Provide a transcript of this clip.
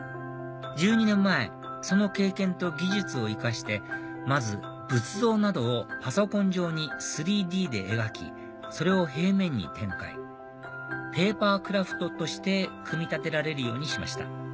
１２年前その経験と技術を生かしてまず仏像などをパソコン上に３Ｄで描きそれを平面に展開ペーパークラフトとして組み立てられるようにしました